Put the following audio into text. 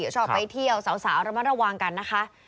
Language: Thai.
ชอบไปเที่ยวสาวระมัดระวังกันนะคะ